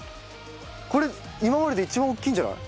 これ今までで一番大きいんじゃない？